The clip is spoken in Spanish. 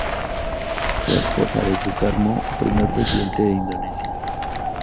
Fue esposa de Sukarno, primer presidente de Indonesia.